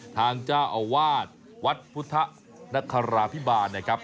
ทางเจ้าอาวาสวัดพุทธนคราพิบาลนะครับ